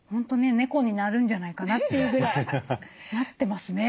猫になるんじゃないかなというぐらいなってますね。